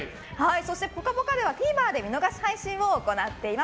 そして「ぽかぽか」ではＴＶｅｒで見逃し配信も行っています。